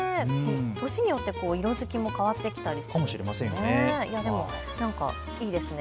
年によって色づきも変わってきたりするんですね。